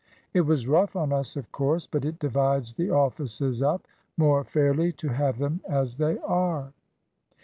It was rough on us, of course; but it divides the offices up more fairly to have them as they are."